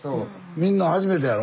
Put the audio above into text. みんな初めてやろ？